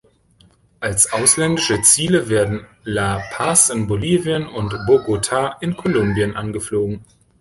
Als ausländische Ziele werden La Paz in Bolivien und Bogota in Kolumbien angeflogen.